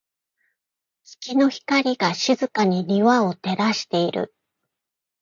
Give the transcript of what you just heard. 月の光が、静かに庭を照らしている。